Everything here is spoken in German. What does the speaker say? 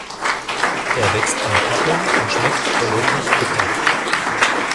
Er wächst an Pappeln und schmeckt deutlich bitter.